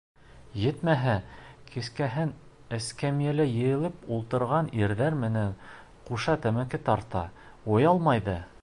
Етмәһә, кискеһен эскәмйәлә йыйылып ултырған ирҙәр менән ҡуша тәмәке тарта, оялмай ҙа.